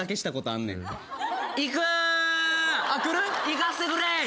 行かしてくれ！